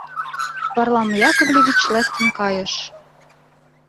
Варлам Яковлевич лектын кайыш.